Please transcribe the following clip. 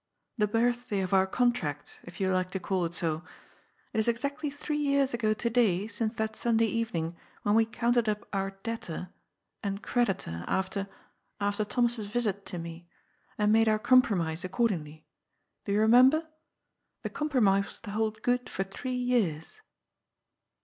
The birthday of our contract, if you like to call it so. It is exactly three years ago to day since that Sunday evening when we counted up our ' debtor ' and 19 290 GOD'S FOOL, ^ creditor ' after— after Thomas's yisit to me, and made our compromise accordingly. Do you remember? The com promise was to hold good for three years."